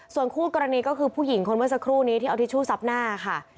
ส่วนคู่กรณีก็คือผู้หญิงคนเมื่อสักครู่นี้ที่เอาทิชชู่ซับหน้าค่ะ